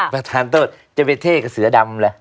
ประธานโทษจะไปเท่กับเสือดำเลย